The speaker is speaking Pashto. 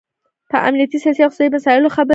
په امنیتي، سیاسي او اقتصادي مسایلو خبرې وکړي